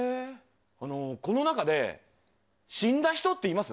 この中で死んだ人っています？